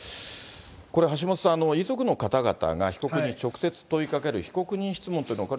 これ、橋下さん、遺族の方々が、被告人に直接問いかける被告人質問っていうのは、これ、